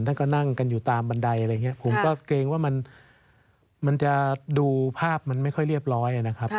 นั่งก็นั่งกันอยู่ตามบันไดอะไรอย่างนี้ผมก็เกรงว่ามันจะดูภาพมันไม่ค่อยเรียบร้อยนะครับ